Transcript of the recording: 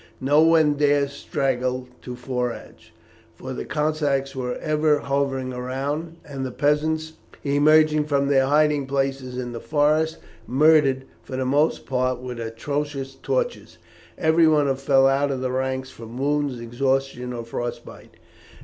No one dared straggle to forage, for the Cossacks were ever hovering round, and the peasants, emerging from their hiding places in the forests, murdered, for the most part with atrocious tortures, everyone who fell out of the ranks from wounds, exhaustion, or frost bite.